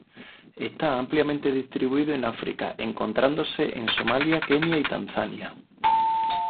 Está ampliamente distribuido en África, encontrándose en Somalia, Kenia, y Tanzania.